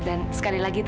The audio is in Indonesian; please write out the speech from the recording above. ada rakaman nih